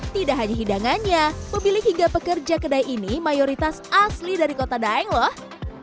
tidak hanya hidangannya pemilik hingga pekerja kedai ini mayoritas asli dari kota daeng loh